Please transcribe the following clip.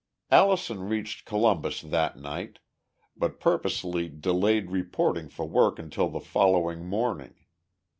Allison reached Columbus that night, but purposely delayed reporting for work until the following morning.